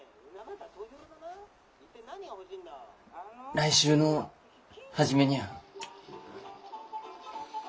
来週の初めにゃあ。